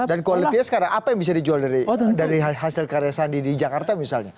dan quality nya sekarang apa yang bisa dijual dari hasil karya sandi di jakarta misalnya